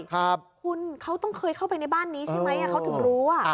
คุณเขาต้องเคยเข้าไปในบ้านนี้ใช่ไหมเขาถึงรู้